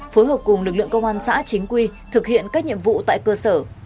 phối hợp cùng lực lượng công an xã chính quy thực hiện các nhiệm vụ tại cơ sở